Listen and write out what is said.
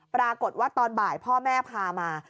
ปรากฏว่าตอนบ่ายพ่อแม่พามา